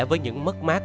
với những mất mát